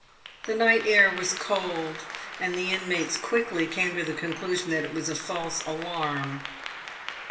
The night air was cold, and the inmates quickly came to the conclusion that it was a false alarm.